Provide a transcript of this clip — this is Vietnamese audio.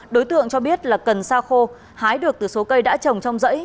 đối tượng cho biết là cần sa khô hái được từ số cây đã trồng trong dãy